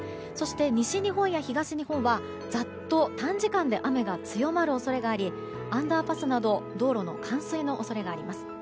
そして、西日本や東日本はざっと短時間で雨が強まる恐れがありアンダーパスなど道路の冠水の恐れがあります。